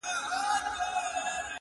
خو هغسې و نه سوه